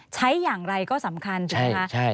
ใช้อย่างไรก็สำคัญถูกไหมคะ